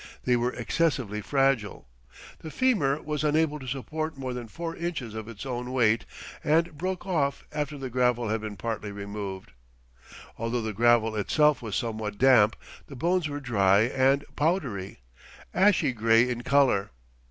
They were excessively fragile. The femur was unable to support more than four inches of its own weight and broke off after the gravel had been partly removed. Although the gravel itself was somewhat damp the bones were dry and powdery, ashy gray in color.